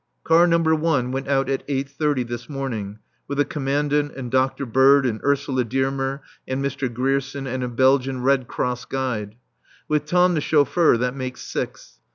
Car No. 1 went out at eight thirty this morning, with the Commandant and Dr. Bird and Ursula Dearmer and Mr. Grierson and a Belgian Red Cross guide. With Tom, the chauffeur, that makes six.